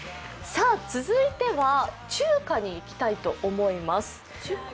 続いては、中華にいきたいと思います。